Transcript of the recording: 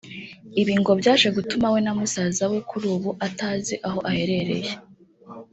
Ibi ngo byaje gutuma we na musaza we kuri ubu atazi aho aherereye